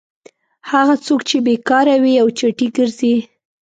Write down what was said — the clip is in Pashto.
هغه څوک چې بېکاره وي او چټي ګرځي.